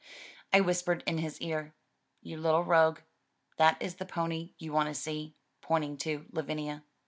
I whispered in his ear, "You little rogue, that is the pony you want to see," pointing to Lavinia.